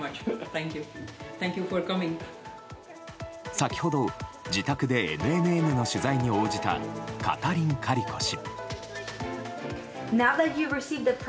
先ほど、自宅でＮＮＮの取材に応じたカタリン・カリコ氏。